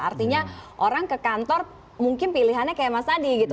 artinya orang ke kantor mungkin pilihannya kayak mas adi gitu